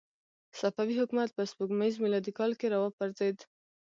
صفوي حکومت په سپوږمیز میلادي کال کې را وپرځېد.